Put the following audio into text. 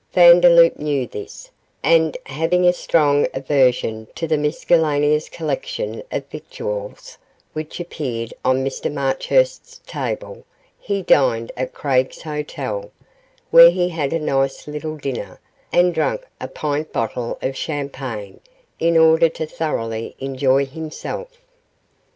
Vandeloup knew this, and, having a strong aversion to the miscellaneous collection of victuals which appeared on Mr Marchurst's table, he dined at Craig's Hotel, where he had a nice little dinner, and drank a pint bottle of champagne in order to thoroughly enjoy himself.